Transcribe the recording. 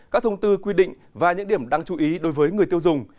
các thông tư quy định và những điểm đáng chú ý đối với người tiêu dùng